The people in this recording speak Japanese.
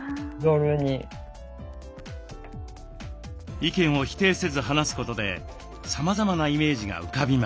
意見を否定せず話すことでさまざまなイメージが浮かびました。